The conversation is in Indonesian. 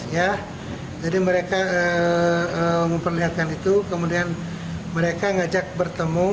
ya jadi mereka memperlihatkan itu kemudian mereka ngajak bertemu